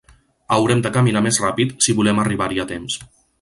Haurem de caminar més ràpid si volem arribar-hi a temps.